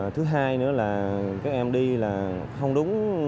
thứ hai nữa là các em đi là không đúng